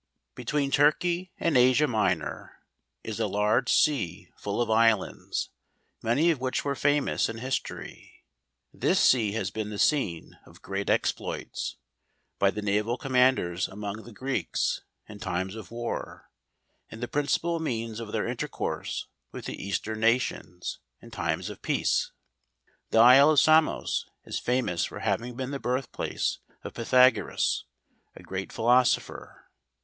Between Turkey and Asia Minor, is a large sea full of islands; many of which were famous in history. This sea has been the scene of great exploits, by the naval commanders among the Greeks, in times of war ; and the principal means of their intercourse with the eastern nations, in times of peace. The isle of Samos is famous for having been the birth place of Pythagoras, a great philoso¬ pher.